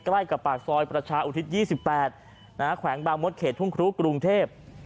ใกล้กับปากซอยประชาอุทิศ๒๘แขวงบางมดเขตทุ่งครุกรุงเทพ